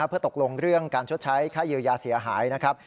เพื่อตกลงเรื่องการชดใช้ค่าเยียวยาเสียหายนะครับ